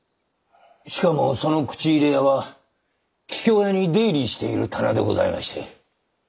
しかもその口入れ屋は桔梗屋に出入りしている店でございまして。